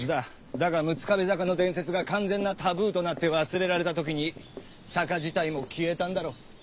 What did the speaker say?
だが六壁坂の伝説が完全なタブーとなって忘れられた時に坂自体も消えたんだろう。